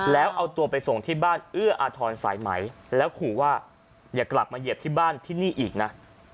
แล้วเอาตัวไปส่งที่บ้านเอื้ออาทรสายไหมแล้วขู่ว่าอย่ากลับมาเหยียบที่บ้านที่นี่อีกนะ